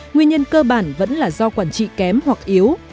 nguyên nhân cơ bản vẫn là do quản trị kém hoặc yếu